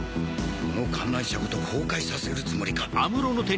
この観覧車ごと崩壊させるつもりか？